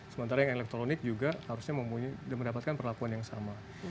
sementara yang elektronik juga harusnya mendapatkan perlakuan yang sama